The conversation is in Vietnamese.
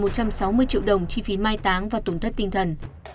một trăm sáu mươi triệu đồng chi phí mai táng và tổn thất tinh thần